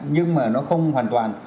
nhưng mà nó không hoàn toàn